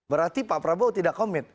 berarti pak prabowo tidak komit